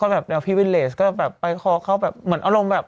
แบบหรือ